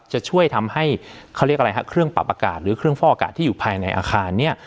จะช่วยทำให้เขาเรียกอะไรฮะเครื่องปรับอากาศหรือเครื่องฟอกอากาศที่อยู่ภายในอาคารเนี่ย